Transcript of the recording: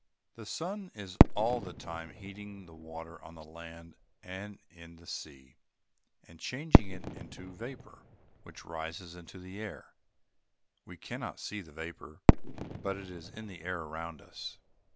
The sun is all the time heating the water on the land and in the sea, and changing it into vapor, which rises in the air. We cannot see the vapor; but it is in the air around us.